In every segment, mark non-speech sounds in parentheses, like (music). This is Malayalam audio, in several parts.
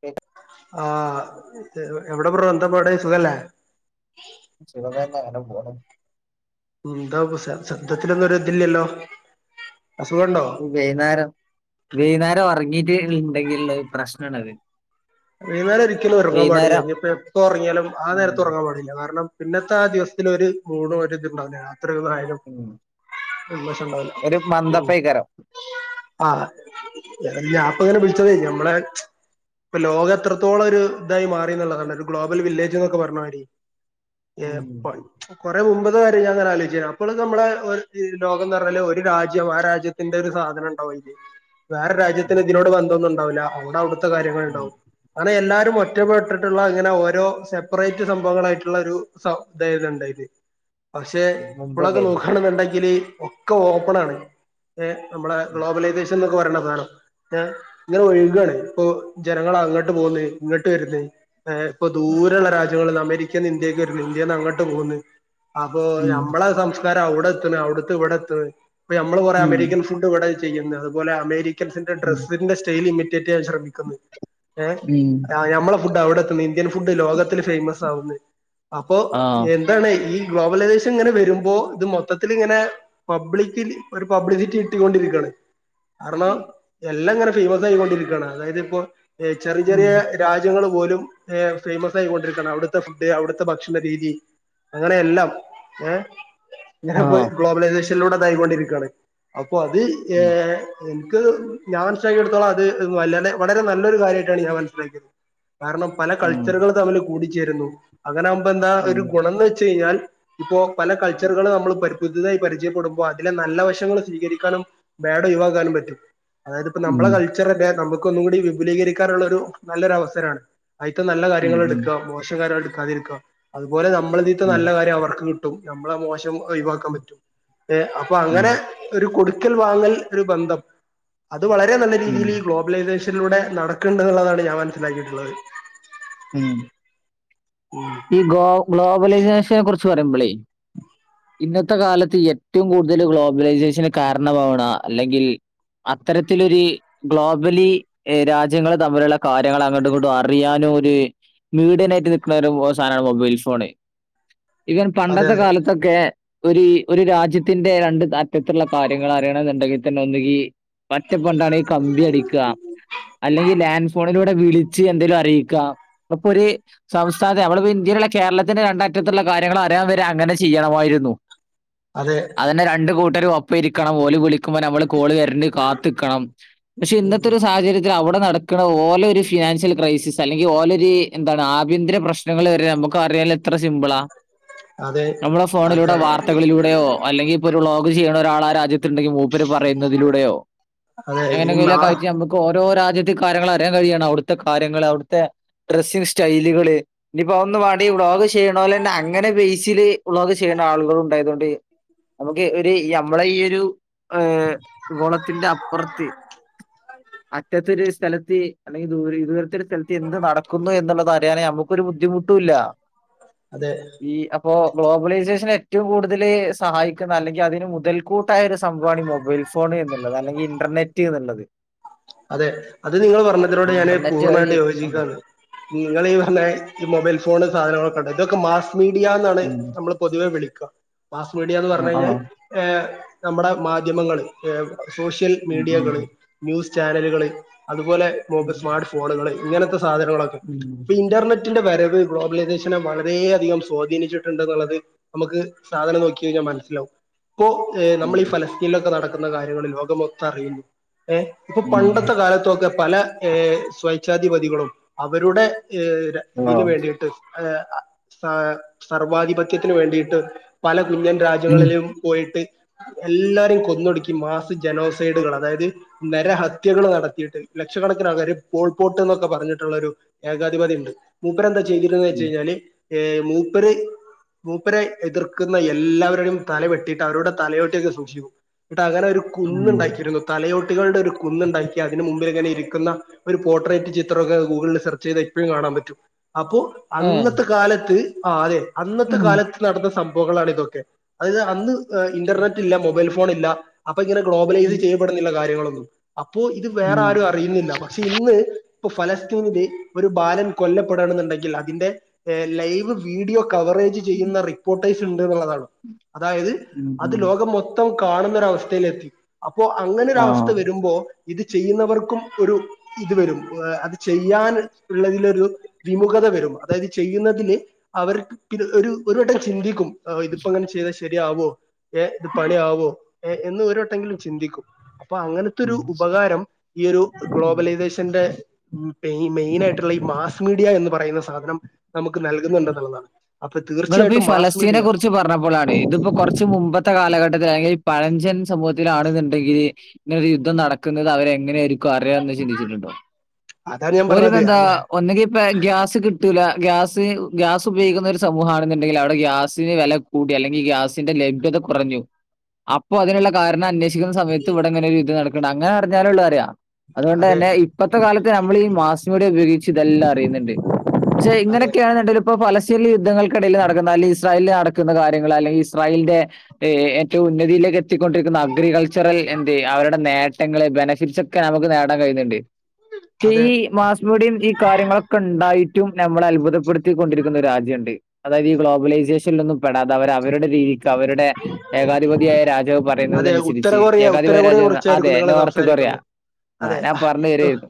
ക്കെ ആ എവിടെ ബ്രോ എന്താ പാട് സുഖല്ലേ സുഖം തന്നെ അങ്ങനെ പോണു എന്താപ്പോ ശ ശബ്ദത്തിലൊന്നും ഒരു ഇതില്ലല്ലോ അസുഖണ്ടോ? വൈന്നേരം വൈന്നേരം ഒറങ്ങീട്ട് ഇണ്ടെങ്കിൽലിള്ള പ്രശ്നണത്. വൈന്നേരം ഒരിക്കലും ഉറങ്ങാൻ പാടില്ല ഇനി എപ്പ ഉറങ്ങിയാലും ആഹ് ഉം നേരത്ത് ഉറങ്ങാൻ പാടില്ല കാരണം ഇന്നത്തെ ആ ദിവസത്തിനൊരു മൂഡോ ഒരു ഇത്ണ്ടാവില്ല രാത്രിയിലാ യാലും ഉം ഉന്മേഷം ഉണ്ടാവില്ല. ഒരു ഉം മന്ദപ്പെയ്ക്കാരം ആഹ് ഞ ഞാപ്പങ്ങനെ വിളിച്ചതെ ഞമ്മളെ ഇപ്പൊ ലോക എത്രത്തോളം ഒരു ഇതായി മാറി എന്നുള്ളതാണ് ഒരു ഗ്ലോബൽ വില്ലേജ് എന്നൊക്കെ പറയണമാതിരി ഉം ഏപ്പം കുറെ മുമ്പത്തെ കാര്യം ഞാൻഇങ്ങനെ ആലോചിച്ചിന്നു അപ്പോൾ നമ്മളെ ഒരു ലോകം എന്ന് പറഞ്ഞല് ഒരു രാജ്യം ആ രാജ്യ എന്റെ ഒരു സാധനം ഇണ്ടാവും അയില് (inaudible) വേറെ രാജ്യത്തിന് ഇതിനോട് ബന്ധന്നും ഉണ്ടാവൂല. അവിടെ അവിടുത്തെ കാര്യങ്ങൾ ഉം ഉണ്ടാവും അങ്ങനെ എല്ലാരും ഒറ്റപ്പെട്ടിട്ടുള്ള അങ്ങനെ ഓരോ സെപ്പറേറ്റ് സംഭവങ്ങളായിട്ടുള്ള ഒരു സം ഇതേനുണ്ടായിന് (inaudible) പക്ഷെ ഇപ്പളൊക്കെ മുമ്പുണ്ടായിരുന്നു നോക്കണെന്നുണ്ടെങ്കില് ഒക്കെ ഓപ്പൺ ആണ്. ഏഹ് നമ്മളെ ഗ്ലോബലൈസേഷൻ എന്നൊക്കെ പറയേണ സാനം ഏഹ് ഇങ്ങനെ ഒഴുകാണ് ഇപ്പൊ ജനങ്ങള് അങ്ങട്ട് പോവ്ന്ന് ഇങ്ങട്ട് വര്ന്ന് എഹ് ഇപ്പൊ ദൂരള്ള രാജ്യങ്ങളിൽ നിന്ന് അമേരിക്ക ക്കെന്ന് ഇന്ത്യക്ക് വര്ണ് ഇന്ത്യന്ന് അങ്ങട്ട് പോന്ന് അപ്പൊ ഉം ഞമ്മളെ സംശ ഇതാരാ അവ്ടെ എത്ത്ണ് അവിടുത്തെ ഇവ്ടെത്തും ഇപ്പൊ ഞ മ്മള് കൊറെ ഉം അമേരിക്കൻ ഫുഡ് ഇവടെ ചെയ്യ്ന്ന് അതുപോലെ അമേരി ക്കൻസിന്റെ ഉം ഡ്രെസ്സിന്റെ സ്റ്റെയില് ഇമിറ്റേറ്റ് ചെയ്യാൻ ശ്രെമി ഏഹ് ഉം ഞമ്മളെ ഫുഡ് അവ്ടെ എത്ത്ണ് ഇന്ത്യൻ ഫുഡ് ലോകത്തില് ഫെയ്മസ് ആവുന്നു അപ്പൊ ആഹ് എന്താണ് ഈ ഗ്ലോബലൈസേഷൻ ഇങ്ങനെ വരുമ്പോ ഇത് മൊത്തത്തിലിങ്ങനെ പബ്ലിക്കലി ഒരു പബ്ലിസിറ്റി കിട്ടി കൊണ്ടിരിക്കാണ്. കാരണം എല്ലാം ഇങ്ങനെ ഫേമസ് ആയിക്കൊണ്ടിരിക്കാണ് അതായത് ഇപ്പോ ചെറി ഉം ചെറിയെ രാജ്യങ്ങൾ പോലും ഏ ഫേമസ് ആയിക്കൊണ്ടിരിക്കാണ്‌ അവിടത്തെ ഫുഡ് അവിടത്തെ ഭക്ഷണരീതി. അങ്ങനെയെല്ലാം ഏഹ്. ഞൻപ്പോ ആഹ് ഗ്ലോബലൈസേഷനിലൂടെ ഇതായികൊണ്ടിരിക്കാണ് അപ്പൊ അത് ഉം ഏഹ ഇൻക്ക് ഞാൻ ചെയ്തട്ത്തോളം അത് വലരെ വളരെ നല്ല നല്ല ഒരു കാര്യായിട്ടാണ് ഞാൻ മനസ്സിലാക്കിയത് കാരണം പല ഉം കൾച്ചറുകളും തമ്മിൽ കൂടിച്ചേരുന്നു. അങ്ങനെ ആകുമ്പോ എന്താ ഉം ഒരു ഗുണം വെച്ച് കഴിഞ്ഞാൽ ഇപ്പോ പല കൾച്ചറുകളു നമ്മൾ പ പുതുതായി പരിചയപ്പെടുമ്പോ അതിലെ നല്ല വശങ്ങൾ സ്വീകരിക്കാനും പേഡ്‌ ഒയ്‌വാകാനും പറ്റും. അതായത് ഇപ്പം നമ്മളെ ഉം കൾച്ചറല്ലേ നമുക്കൊന്നും കൂടി വിപുലീകരിക്കാനാള്ളൊരു നല്ലൊരു അവസരാണ്. അയിത്തെ നല്ല ഉം കാര്യങ്ങൾ ഉം ഇട്ക്കാ മോശകാര്യം ഇടുക്കാതിര്ക്ക അതുപോലെ നമ്മളതീത്തെ ഉം നല്ല കാര്യം അവർക്ക് ട്ടും നമ്മളെ മോശം ഒഴിവാക്കാൻ പറ്റോ ഏ അപ്പൊ ഉം അങ്ങനെ ഒരു കൊടുക്കൽ വാങ്ങൽ ഒര് ബന്ധം അത് വളരെ നല്ല ഉം രീതിയിൽ ഈ ഗ്ലോബലൈസേഷനിലൂടെ നടക്ക്ണ്ട് എന്ന്ള്ളതാണ് ഞാൻ മനസ്സിലാക്കിട്ട്ള്ളത്. ഉം. മ്. ഈ ഗോ ഗ്ലോബലൈസേഷനെ കുറിച്ച് പറയുംമ്പളെ? ഇന്നത്തെ കാലത്ത് ഏറ്റവും കൂടുതൽ ഗ്ലോബലൈസേഷന് കാരണമാവ്ണ അല്ലെങ്കിൽ അത്തരത്തിലൊര് ഗ്ലോബലി ഏ രാജ്യങ്ങൾ തമ്മില്ള്ള കാര്യങ്ങൾ അങ്ങട്ടും ഇങ്ങട്ടും അറിയാനോ ഈ മീഡിയനായിട്ട് നിക്കണ ഒരു സാനാണ് മൊബൈൽ ഫോണ് ഇവൻ അതെ പണ്ടത്തെ കാല ഇതൊക്കെ ഒര് ഒരു രാജ്യത്തിന്റെ രണ്ട് അറ്റത്ത്ള്ള കാര്യങ്ങൾ അറിയണം എന്ന്ണ്ടെങ്കിൽ തന്നെ ഒന്നുങ്കി പറ്റപ്പണ്ടാണെ കമ്പി അടിക്ക. അല്ലെങ്കി ലാൻഡ് ഫോണിലൂടെ വിളിച്ച് എന്തെങ്കിലും അറീക്കാം അതൊക്കൊര് സംസ്ഥാനത്തെ നമ്മളിപ്പോ ഇന്ത്യയില്ള്ള കേരളത്തിന്റെ രണ്ടറ്റത്ത്ള്ള കാര്യങ്ങൾ അറിയാൻ വരെ അങ്ങനെ ചെയ്യണമായിരുന്നു. അതെ അതന്നെ രണ്ട് കൂട്ടരും ഒപ്പം ഇരിക്കണം ഓല് വിളി (unintelligible) നമ്മള് കോള് വര്നെ കാത്ത്ക്കണം പക്ഷെ ഇന്നത്തെ ഒരു സാഹചര്യത്തിൽ അവ്ടെ നട ക്ക്ണെ ഓലൊരു ഫിനാൻശ്യൽ ക്രൈസിസ് അല്ലെങ്കിൽ ഓലൊരു ഈ എന്താണ് ആഭ്യന്തര പ്രശ്നങ്ങൾ വരെ നമ്മക്ക് അറിയാലോ എത്ര സിമ്പ്ളാ. അതെ. നമ്മുടെ ഫോണിലൂടെ അതെ വാർത്തകളിലൂടെയോ അല്ലെങ്കി ഇപ്പോ ഒരു വ്ലോഗ് ചെയ്യണ ഒരാൾ ആ രാജ്യത്ത്ണ്ടെങ്കി പോവും. ഇവര് പറയുന്നതിലൂടെയോ. അതെ ഇ മാ. അങ്ങനെയെങ്കിലൊക്കെ ആയിട്ട് നമുക്ക് ഓരോ രാജ്യത്തെ കാര്യങ്ങൾ അറിയാൻ കയ്യാണ് അവിട്ത്തെ കാര്യങ്ങള് അവിടത്തെ ഡ്രെസ്സിംങ് സ്റ്റൈല്കള് ഇനിപ്പോ ഒന്ന് വാണ്ടേ വ്ലോഗ് ചെയ്യിനോലെന്നെ അങ്ങനെ ബേസില് വ്ലോഗ് ചെയ്യണ ആളുകൾ ഉണ്ടായതുകൊണ്ട് ഓക്കേ ഒരു ഇ നമ്മളെ ഈ ഒരു. ഏഹ ഗോളത്തിന്റെ അപ്പുറത്ത് അറ്റത്തൊരു സ്ഥലത്തി. അല്ലെങ്കിൽ ദൂരെ (unintelligible) സ്ഥലത്ത് എന്ത് നടക്കുന്നു എന്നുള്ളതറിയാൻ നമുക്കൊരു ബുദ്ധിമുട്ടും ഇല്ല. അതെ. ഈ അപ്പോ ഗ്ലോബലൈസേഷന് ഏറ്റവും കൂടുതല് സഹായിക്കുന്ന അല്ലെങ്കി അതിന് മുതൽ കൂട്ടായ ഒരു സംഭവമാണ് ഈ മൊബൈൽ ഫോൺ എന്ന്ള്ളത് അല്ലെങ്കി ഇന്റർനെറ്റ് എന്ന്ള്ളത്. അതെ അത് നിങ്ങൾ പറഞ്ഞതിലൂടെ ഞാന് ഇന്റർനെറ്റ് വഴി പൂരണ്ണായിട്ട് ആഹ് യോജിക്കാണ് നിങ്ങൾ ഈ ഞ്ഞ ഈ മൊബൈൽ ഫോൺ സാധനങ്ങളൊക്കെണ്ട് ഇതൊക്കെ മാസ് മീഡിയ എന്നാണ് ഉം നമ്മള് പൊതുവെ വിളിക്കാം മാസ് മീഡിയാന്ന് ആഹ് പർഞ്ഞ് കഴിഞ്ഞാൽ ആഹ് ഏ നമ്മടെ മാധ്യമങ്ങള് ഏ സോഷ്യൽ ഉം ഉം മീഡിയകള് ന്യൂസ് ചാനലുകള് അതുപോലെ മോക്കസ് സ്മാർട്ട് ഫോണുകള് ഇങ്ങനത്തെ സാധനങ്ങളൊക്കെ ഉം ഇപ്പം ഇന്റർനെറ്റിന്റെ വരവ് ഗ്ലോബലൈസേഷനെ വളരെയധികം സ്വാധീനിച്ചിട്ട്ണ്ട് എന്ന്ള്ളത് നമക്ക് സാധനം നോക്കി കയ്ഞ്ഞാ മൻസ്സിലാവും. ഇപ്പോ ഏ നമ്മള് ഈ ഉം ഫലസ്തീനിലൊക്കെ നടക്കുന്ന കാര്യങ്ങള് ലോകമൊത്തം അറിയുന്നു ഏഹ് അപ്പൊ പണ്ടത്തെ ഉം കാലത്തൊക്കെ പല ഏഹ് സ്വൈച്ഛാധിപതികളും അവരുടെ ഏഹ് ഇതിന് ആഹ് വേണ്ടിയിട്ട് സ സർവാധിപത്യത്തിന് വേണ്ടിയിട്ട് പല കുഞ്ഞൻ ഉം രാജ്യങ്ങളിലും പോയിട്ട് എല്ലാരെയും കൊന്നൊടുക്കി മാസ ജനോസൈഡുകൾ അതായത് നര ഹത്യകൾ നടത്തിയിട്ട് ലക്ഷക്കണക്കിന ആൾകാർ പോൾപോട്ട് എന്നൊക്കെ പറഞ്ഞിട്ടുള്ളൊരു ഏകാധിപതി ഉണ്ട് മൂപ്പർ എന്താ ചെയ്തിരന്ന് വെച്ച കഴിഞ്ഞാല് ഏ മൂപ്പര് മൂപ്പരെ എതിർക്കുന്ന എല്ലാവരുടെയും തല വെട്ടിയിട്ട് അവരുോടെ തലയോട്ടിയൊക്കെ സൂക്ഷിക്കും ഇട്ട് അങ്ങനെ ഒരു കുന്നു ഉം ഉണ്ടാക്കിരുന്നു തലയോട്ടികളുടെ ഒരു കുന്നു ഉണ്ടാക്കി അതിന്ന് മുമ്പിൽ ഇങ്ങനെ ഇരിക്കുന്ന ഒര് പോട്രേറ്റ് ചിത്രമൊക്കെ ഗൂഗുളിൽ സെർച്ച് ചെയ്ത ഇപ്പഴും കാണാൻ പറ്റും. അപ്പൊ ഏഹ് അന്നത്തെ കാലത്ത് ആ അതെ അന്നത്തെ ഉം കാലത്ത് നടന്ന സംഭവങ്ങളാണ് ഇതൊക്കെ അതായത് അന്ന് ഇന്റർനെറ്റ് ഇല്ല മൊബൈൽ ഫോൺ ഇല്ല അപ്പൊ ഇങ്ങനെ ഗ്ലോബലൈസ് ഉം ചെയ്യപ്പെടുന്നില്ല കാര്യങ്ങളൊന്നും അപ്പോ ഇത് വേറെ ഉം ആരും അറിയുന്നില്ല പക്ഷെ ഇന്ന് ഇപ്പൊ ഫലസ്തീനില് ഒരു ബാലൻ കൊല്ലപ്പെടണെന്നുണ്ടെങ്കിൽ അതിന്റെ ലൈവ് വീഡിയോ കവറേജ് ചെയ്യുന്ന റിപ്പോർട്ട്സ് ഉണ്ട് എന്നുള്ളതാണ് അതായത് ഉം അത് ഉം ലോകം മൊത്തം കാണുന്നൊരവസ്ഥയിലെത്തി അപ്പോ അങ്ങനെ ഒരു അവസ്ഥ ആഹ് വരുമ്പോ ഇത് ചെയ്യുന്നവർക്കും ഒരു ഇത് വരും അത് ചെയ്യാൻ ഉള്ളതിലൊരു വിമുഖത വരും അതായത് ചെയ്യുന്നതില് അവർക്ക് പി ഒരു ഒരു വട്ടം ചിന്തിക്കും ആഹ്, ഇതിപ്പോ ഇങ്ങനെ ചെയ്താ ശരിയാവോ ഏഹ് ഇത് പണിയവോ ഏഹ് എന്ന് ഒരുവട്ടമെങ്കിലും ചിന്തിക്കും. അപ്പൊ അങ്ങനത്തെ ഒരു ഉപകാരം ഈ ഒരു ഗ്ലോബലൈസേഷൻ ത്തിന്റെ മൈനായിട്ടുള്ള ആയിട്ടുള്ള ഈ മാസ് മീഡിയ എന്ന് പറയുന്ന സാധനം നമുക്ക് നൽകുന്നുണ്ടെന്നുള്ളതാണ് അപ്പൊ തീർച്ചയായിട്ടും മാസ് മീഡിയ പ്പോഴാണ് ഇതിപ്പോ കുറച്ച് മുമ്പത്തെ കാലഘട്ടത്തി അല്ലങ്കിൽ പഴഞ്ചൻ സമൂഹത്തി യത്തിലാണെന്നുണ്ടെങ്കില് ഇങ്ങനെയൊരു യുദ്ധം നടക്കുന്നത് അവരെ എങ്ങനൊയിരിക്കും ഓകേ അറിയാം ചിന്തിച്ചിട്ടുണ്ടോ അതാണ് ഞാൻ പറഞ്ഞത് ഒര്തെന്താ അങ്ങ് ഗ്യാസ് കിട്ടൂല ഗ്യാസ് ഗ്യാസ് ഉപയോഗിക്കുന്ന സമൂഹാണെന്നുണ്ടെങ്കിൽ അവിടെ ഗ്യാസിന് വില കൂട്ടി അല്ലെങ്കിൽ ഗ്യാസിന്റെ ലഭ്യത കുറഞ്ഞു അപ്പൊ അതിനുള്ള കാരണം അന്വേഷിക്കുന്ന സമയത്ത് ഇവിടെങ്ങനെ ഒരു ഇത് നടക്കുന്നുണ്ട് അങ്ങനെ അറിഞ്ഞാലോള്ളൂ ഒള്ളു അറിയാ അതുകൊണ്ട് അതെ തന്നെ ഇപ്പത്തെ കാലത്ത് നമ്മൾ ഈ മാസ് മീഡിയ ഉപയോഗിച്ച് ഇതെല്ലാം അറിയുന്നുണ്ട്. പക്ഷെ അതെ ഇങ്ങനൊക്കെയാണ്ണണ്ടെങ്ക ഇപ്പോ ഫലസ്ത്തീൻ യുദ്ധൾക്കിടയിൽ നടക്കുന്ന അല്ലെങ്കിൽ ഇസ്രായേൽ നട കുന്ന കാര്യങ്ങൾ അല്ലെങ്കിൽ ഇസ്രായേലിന്റെ ഏ ഏറ്റവും ഉന്നതിയിലേക്ക് എത്തിക്കൊണ്ടിരിക്കുന്ന അഗ്രികൾച്ചറൽ എന്ത അവരുടെ നേട്ടങ്ങളെ ബെനഫിറ്റ്സ് ഒക്കെ നമുക്ക് നേടാൻ കയ്യുന്നുണ്ട്. പക്ഷെ അതെ ഈ മാസ്മീഡിയയും ഈ കാര്യങ്ങളൊക്കെ ഉണ്ടായിട്ടും നമ്മളെ അത്ഭുതപ്പെടുത്തികൊണ്ടിരിക്കുന്ന ഒരു രാജ്യമുണ്ട് അതായത് ഈ ഗ്ലോബലൈസേഷനൽ ഒന്നും പെടാതെ അവരുടെ രീതി അവരുടെ ഏകാധിപതിയായ രാജാവ് അതെ പറയുന്നതിനനുസരിച്ച്, ഏകാധിപതിയായ രാജാവെന്ന് പറഞ്ഞാ അതെ നോർത്ത് കൊറിയ. സംസാരിക്കുന്നെ ആഹ് ഞാൻ പറഞ്ഞു തരായിരുന്നു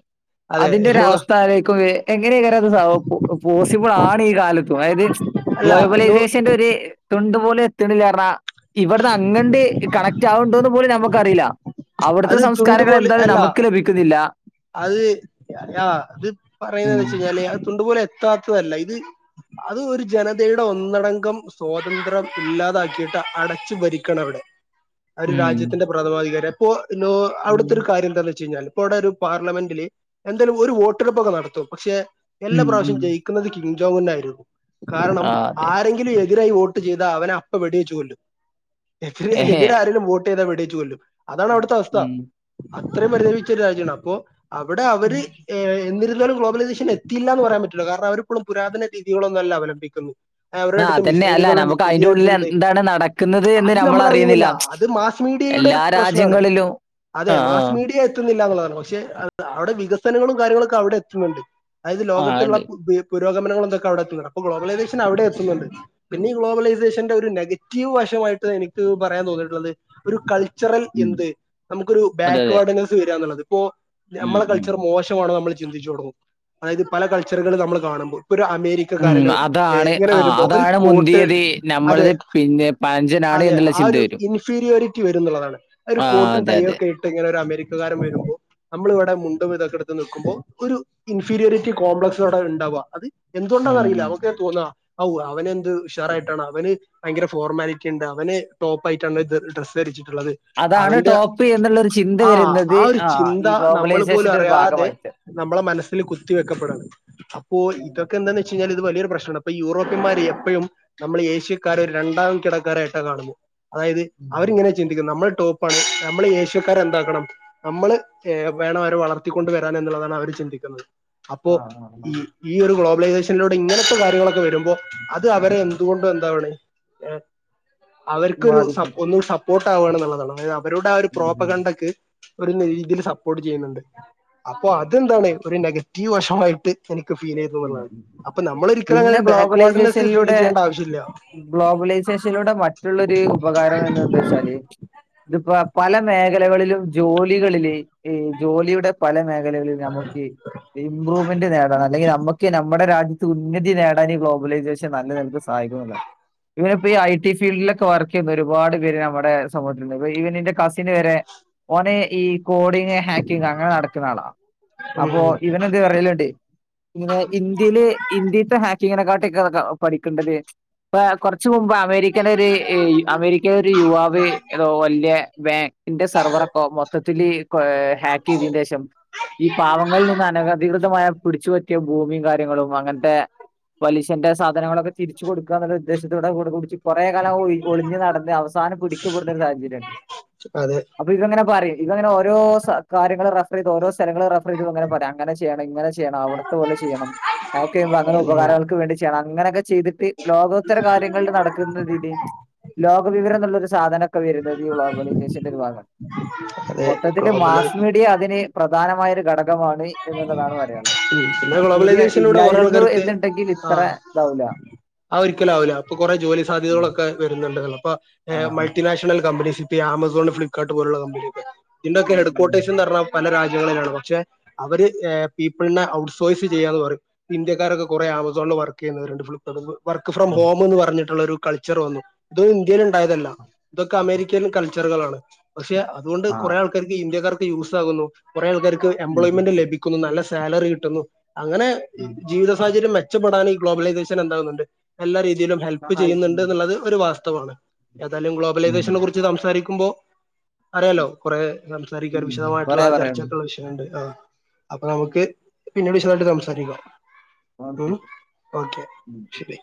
അതെ അതിന്റെ നോ ഒരവസ്ഥലോയിക്കുമ്പെ എങ്ങനെക്കാരം അത് സൗ പോ പോസിബിളാണ് ഈ കാലത്തും അതായത് അല്ല നോ ഗ്ലോബലൈസേഷന്റൊര് തുണ്ട് പോലെ എത്ത്ണില്ലാ പറഞ്ഞാ ഇവിടന്ന് അങ്ങണ്ട് കണക്റ്റ് ആകണ്ടോന്ന് പോലും നമുക്ക്റിയില്ല അവിടത്തെ അത് തുണ്ട് സംസ്കാരങ്ങൾ പോലെ എന്തായാലും അല്ല നമുക്ക് ലഭിക്കുന്നില്ല അത് അ അത് പറയുന്ന ഉം. വെച്ച കഴിഞ്ഞാല് അത് തൊണ്ടുപോലെ എത്താത്തതല്ല ഇത് അത് ഒരു ജനതയുടെ ഒന്നടങ്കം സ്വാതന്ത്ര്യം ഇല്ലാതാക്കിയിട്ട് അടച്ചു ഭരിക്കണം അവിടെ (unintelligible) ഒരു രാജ്യത്തിന്റെ പ്രഥമാധികാരം അപ്പോ ഉം. അവിടുത്തെ ഒരു കാര്യം എന്താണന്ന് വെച്ച് കഴിഞ്ഞാൽ ഇപ്പ അവിടെ ഒരു പാർലമെന്റിൽ എന്തായാലും ഒരു വോട്ടെടുപ്പൊക്കെ നടത്തും പക്ഷെ എല്ലാ ഉം. പ്രാവശ്യം ഉം. ജയി (unintelligible) കിംജോ എന്നായിരുന്നു. കാരണം ആ അതെ. ആരെങ്കിലും എതിരായി ഓർക്കാ അവനെ അപ്പ വെടിവെച്ചു കൊല്ലും എതി ഏഹേ. എതിരരെലും വോട്ട് ചെയ്താൽ വെടിവെച്ചു കൊല്ലും അതാണ് ഔട്ത്തെ അവസ്ഥ ഉം. അത്രയും പരിതമിച്ച ഒര് രാജ്യാണ് അപ്പോ അവ്ടെ അവര് ഏ എന്നിരുന്നാലും ഗ്ലോബലിമിഷൻ എത്തിയില്ല ന്ന് പറയാം പറ്റില്ല കാരണം അവരിപ്പളും പുരാതന രീതികളൊന്നുല്ല അവലംബിക്കുന്നു അവരെ ആ എടുത്തും അതന്നെ. അല്ല മിസൈല്കള്ണ്ട് നമുക്ക് പുതിയ അതിന്റെ ഉള്ളിൽ അത്ണ്ടെ എന്താണ് നടക്കുന്നത് എന്ന് അത് നമ്മൾ നമ്മള് അറിയുന്നില്ല അ ത് മാസ് മീഡിയയുടെ ഒര് എല്ലാ പ്രശ്നാണ് രാജ്യങ്ങളിലും. അതെ ആ, ആ. മാസ് മീഡിയേല് ത്ത്ന്ന്ല്ല എന്ന്ള്ളതാണ് പക്ഷെ അവ് അവിടെ വികസനങ്ങളും കാര്യങ്ങളും ഒക്കെ അവിടെ എത്ത്ന്ന്ണ്ട് അതായത് ആ ലോകത്ത്ള്ള ഉണ്ട്. (unintelligible) പുരോഗമനങ്ങളൊക്കെ ക്ക അവ്ടെത്തുന്ന്ണ്ട് അപ്പോ ഗ്ലോബലൈലേഷൻ അവിടെ എത്തുന്ന്ണ്ട് പിന്നെ ഈ ഗ്ലോബലൈസേഷന്റെ ഒര് നെഗറ്റീവ് വശമായിട്ട് എനിക്ക് പറയാൻ തോന്നിട്ടുള്ളത് ഒരു കൾ ച്ചറൽ ഉം. എന്ത് ന്നമുക്കൊരു അതെ, ബേക്ക് അതെ. വേഡ്നസ് വെര്ആന്ന്ള്ളത് ഇപ്പോ ഉം. ഞമ്മളെ ഉം. കൾച്ചർ മോശം ട്ട് മോഡൽ ന്നമ്മള് ചിന്തിച്ചു തൊടങ്ങും അതായത് പല കൾച്ചറുകൾ ന്നമ്മൾ കാണുമ്പോ പ്പ ഒര് അമേരി റ്റു ഉം. കാര്യങ്ങൾ ഏ അതാണ് ഇങ്ങനെ ആ വെരുമ്പോ ഒര് അതാണ് കോട്ടേൾ മുന്തിയത് അതെ നമ്മളത് പിന്നെ പഴഞ്ചനാണ് അതെ എന്നുള്ള ആ ചിന്ത ഒരു വരും. ഇൻഫീരിയോറിറ്റി വരും ന്ന്ള്ളതാണ് ഒരു ആ കോട്ടും അതെ, ടയ്യും അതെ. ഒക്കായിട്ട് ഇങ്ങനെ ഒരു അമേരിക്കകാരൻ വെരുമ്പോ അമ്മള് വടെ മുണ്ടും വിതൊക്കെടുത്ത് നിൽക്കുമ്പോ ഒരു ഇൻഫീരിയോറിറ്റി കോംപ്ലക്സ് വടെ ഇണ്ടാവ്അ അത് ഉം. എന്തോണ്ടാന്ന്അറീല ഓക്ക് തോന്ന്അ ഔ അവനെന്ത് ഉഷാറായിട്ടാണ് അവന് ഭയങ്കര ഫോർമാലിറ്റി ഇണ്ട് അവന് ടോപ്പായിട്ടാണ് ത് ഡ്രസ്സ് ധരിച്ചിട്ടുള്ളത് അതാണ് അവന്റെ ടോപ്പ് എന്ന്ള്ളൊരു ചിന്ത ആ വെരുന്നത് ആ ഒരു ആഹ് ചിന്ത ഈ നമ്മൾ പോലും ഗ്ലോബലൈസേഷന്റെ ഒരു അറിയാതെ ഭാഗമായിട്ട് നമ്മളെ മനസ്സില് കുത്തി വെക്കപ്പെടണ് അപ്പോ ഉം. ഇതൊക്കെന്താന്ന് വെച്ചയ് ഞ്ഞാല് ഇത് വലിയൊരു പ്രശ്നാണ് അപ്പെ യൂറോപ്യന്മാര് എപ്പഴും നമ്മള് ഏഷ്യക്കാര് ഒര് രണ്ടാം കിടക്കാരായിട്ടാ കാണുന്നെ അതായത് ഉം. അവരിങ്ങനെ ചിന്തിക്കുന്നെ ന്നമ്മൾ ടോപ്പാണ് ന്നമ്മള് ഏഷ്യക്കാര് എന്താക്കണം അമ്മള് ഏ വേണം ഓരെ വളർത്തിക്കൊണ്ട് വെരാന്എന്നുള്ളതാണ് അവര് ചിന്തിക്കുന്നത് അപ്പോ ആ, ആ, ആ. ഈ ഈ ഒരു ഗ്ലോബലൈസേഷനിലൂടെ ഇങ്ങനത്തെ കാര്യങ്ങളൊക്കെ വെരുമ്പോ അത് അവരെ എന്തുകൊണ്ടും എന്താവണ് ഏഹ് അവര്ക്കൊരു സ ബാധിക്കുന്നു. ഒന്നു സപ്പോർട്ട് ആവ്ആണ്ന്ന്ള്ളതാണ് അതായത് അവരുടെ ആ ഒരു ഉം, ഉം, പ്രോപകണ്ടക്ക് ഒര് നെയ്തില് സപ്പോർട്ട് ചെയ്യുന്നുണ്ട് അപ്പൊ അതെന്താണ് ഒര് നെഗറ്റീവ് വശമായിട്ട് എനിക്ക് ഫീലെയ്തു ഉം, ന്നുള്ളതാണ് ഉം, ഉം. അപ്പം ന്നമ്മള് ഒരിക്കലും പിന്നെ അങ്ങനൊര് ബേക്ക് വാഡ്നസ് ഗ്ലോബലൈസേഷനിലൂടെ ഫീലെജ്ജേണ്ട ആവശ്യല്ല ഗ്ലോബലൈസേഷനിലൂടെ മറ്റുള്ളരു ഉപകാരം എന്ന് എന്ത്ച്ചാല് ഇത്പ്പോ പല മേഖലകളിലും ജോലികളില് ഈ ജോലിയുടെ പല മേഖലകളിലും നമുക്കി ഇമ്പ്രൂവ്മെന്റ് നേടണം എല്ലെങ്കി നമുക്ക് നമ്മുടെ രാജ്യത്ത് ഉന്നതി നേടാന് ഈ ഗ്ലോബലൈസേഷൻ നല്ല നൽക്ക് സഹായിക്കുന്നില്ല ഇവരി പ്പൊ ഈ ഐ ടി ഫീൽഡിലൊക്കെ വർക്ക് ചെയ്യുന്ന ഒരുപാട് പേര് നമ്മുടെ സമൂഹത്തില്ണ്ട് ഇപ്പം ഈ പെണ്ണിന്റെ കസിന് വെരെ ഓന് ഈ കോഡിങ് ഹാക്കിങ് അങ്ങനെ നടക്ക്ണ ആളാ ഉം അപ്പൊ ഉം ഇവനെന്ത് പറയല്ണ്ട് ഇങ്ങനെ ഇന്ത്യല് ഇന്ത്യത്തെ ഹാക്കിങ്ങിനെക്കാട്ടിക്കെ പഠിക്കണ്ടല്ലേ ഇപ്പൊ കൊറച്ച് മുമ്പാ ഒരിക്കലൊര് ഈ അമേരിക്കേല് ഒര് യുവാവ് എതോ വല്ല്യ ബാങ്കിന്റെ സർവറൊക്കോ മൊത്തത് തിലീ ഹാക്ക് ചെയ്തേന്റെഷം ഈ പാവങ്ങളിൽ നിന്ന് അനകധികൃതമായ പിടിച്ച് പറ്റ് ക്യ ഭൂമിം കാര്യങ്ങളും അങ്ങൻത്തെ പലിശന്റെ സാധനങ്ങളൊക്കെ തിരിച്ച് കൊട്ക്കാന്നുള്ള ഉദ്ദേശത്തോടെ കൊടപിടിച്ച് കൊറേ കാലം ഒഴ് ഒളിഞ്ഞ് നടന്ന് അവസാനം പിടിക്ക പെട്ന്നൊര് സാഹചര്യണ്ട് അതെ അപ്പൊ ഇതുഅങ്ങനെ പറിം ഇതുഅങ്ങനെ ഓ രോ സ കാര്യങ്ങള് റഫറെയ്ത് ഓരോ സ്ഥലങ്ങൾ റഫറെയ്ത് അങ്ങനെപറിം അങ്ങനെ ചെയ്യണം ഇങ്ങനെ ചെയ്യണം അവ്ടെ ങന ചെയ്യണം ഹാക്ക് എയ്യുബോ അങനെ ഉപകാരൾ ങ്ങക്ക് വേണ്ടി ചെയ്യണം അങ്ങനൊക്കെ ചെയ്തിട്ട് ലോകോത്തര കാര്യങ്ങളില് നടക്ക്ന്നതിന് ലോകവിവരം ന്ന്ള്ളൊരു സാധനം ക്ക വെര്ന്നത് ഗ്ലോബലൈസേഷൻ്റൊര് ഭാഗ അതെ മൊത്തത്തില് ഗ്ലോബൽ മാസ് മീഡിയ അതിന് പ്രധാനമായൊര് ഘടകമാണ് എന്ന്ള്ളതാണ് പറയാന്ള്ളത് ഉം പിന്നെ ഗ്ലോബലൈസേഷനിലൂടെ കൊറെ ആൾക്കാർക്ക് എന്നുണ്ടെങ്കിൽ ഇത്ര ആഹ് ഇതാവൂല. അത് ഒരിക്കലാവൂല ഇപ്പ കൊറെ ജോലി സാധ്യതകളൊക്കെ വെര്ന്നുണ്ടല്ലോ പ്പൊ ആഹ് ആഹ്. മൾട്ടിനാഷണൽ കമ്പനീസ് ഇപ്പ ആമസോൺ ഫ്ലിപ്പ് കാർട്ട് പോലുള്ള കമ്പനി ഒക്കെ ഇതിന്റൊക്കെ എട്കോട്ടേഷൻ ന്ന് അർഞ്ഞാ പല രാജ്യങ്ങളിലാണ് പക്ഷെ അവര്ഏ പീപിൾ നെ ഔട്ട്സോഴ്സ് ചെയ്യാന്ന് പറിം ഇന്ത്യക്കാരൊക്കെ കൊറെേ ആമസോണ്ൽ വർക്ക് എയ്യുന്നവരുണ്ട് ഫുൾ (unintelligible) വർക്ക് ഫ്രം ഹോമ് ന്ന് പറഞ്ഞിട്ടുള്ളൊരു കൾച്ചർ വന്നു ഇത് ഇന്ത്യയില് ഇണ്ടായതല്ല ഇതൊക്കെ അമേരി ക്യൻ കൾച്ചറുകളാണ് പക്ഷെ അതോണ്ട് കൊറേ ആൾക്കാര്ക്ക് ഇന്ത്യക്കാർക്ക് യൂസാകുന്നു കൊറേ ആൾക്കാര്ക്ക് ആഹ് എംപ്ലോയ്മെന്റ് ലഭിക്കുന്നു നല്ല സാലറി കിട്ടുന്നു അങ്ങനെ ജീവിത സാഹചര്യം മെ മെച്ചപ്പെടാൻ ഈ ഗ്ലോബലൈസേഷൻ എന്താകുന്നുണ്ട് എല്ലാ രീതിയിലും ഹെൽപ് ചെയ്യുന്നുണ്ട് സഹായിക്കുന്നു. എന്നുള്ളത് ഒരു വാസ്തവമാണ് ഏതാലും ഗ്ലോബലൈസേഷനെ ഉം. കുറിച്ച് സംസാരിക്കുമ്പോ അറിയാലോ കുറേ സംസാരിക്കാൻ ഉം വിശദമായ്ട്ട്ള്ള കൊറേ പറയാനുണ്ട് ചർച്ചക്ക്ള്ള വിഷ ആ അപ്പൊ നമുക്ക് പിന്നീട് വിശദായിട്ട് സംസാരിക്കാ ഉം ഓക്കെ ഓക്കെ ഉം ശരി